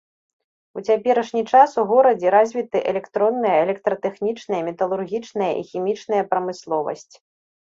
У цяперашні час у горадзе развіты электронная, электратэхнічная, металургічная і хімічная прамысловасць.